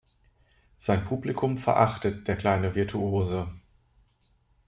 Sein Publikum verachtet der kleine Virtuose.